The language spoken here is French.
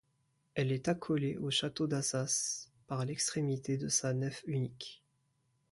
Elle est accolée au château d'Assas par l'extrémité de sa nef unique.